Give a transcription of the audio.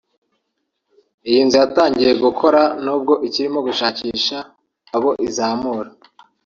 Iyi nzu yatangiye gukora n’ubwo ikirimo gushakisha abo izamura